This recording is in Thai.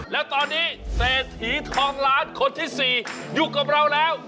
แล้วตอนนี้เศรษฐีทองล้านคนที่๔อยู่กับเราแล้ว